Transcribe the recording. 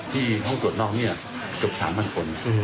ที่ห้องตรวจนอกเนี่ยกับ๓๐๐๐คน